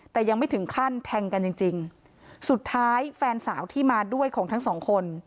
แต่ยังไม่ถึงขั้นแทงกันจริงจริงสุดท้ายแฟนสาวที่มาด้วยของทั้งสองคน